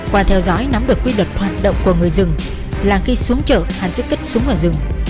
qua theo dõi nắm được quy luật hoạt động của người dân là khi xuống chợ hàn sức kích súng ở rừng